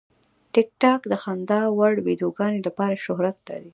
ټیکټاک د خندا وړ ویډیوګانو لپاره شهرت لري.